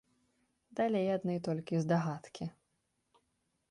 Далей адны толькі здагадкі.